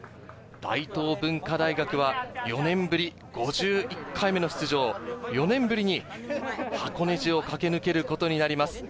大東文化大学は４年ぶり５１回目の出場、４年ぶりに箱根路を駆け抜けることになります。